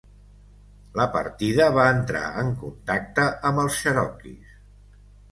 La partida va entrar en contacte amb els cherokees.